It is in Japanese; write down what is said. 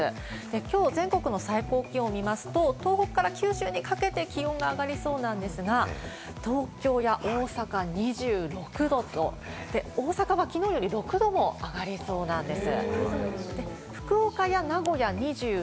今日、全国の最高気温を見ますと、東北から九州にかけて気温が上がりそうなんですが、東京や大阪２６度、大阪は昨日より６度も上がりそうなんです。